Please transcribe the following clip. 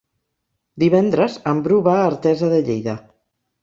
Divendres en Bru va a Artesa de Lleida.